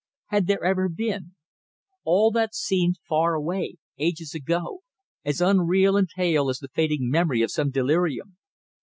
Had there ever been? All that seemed far away, ages ago as unreal and pale as the fading memory of some delirium.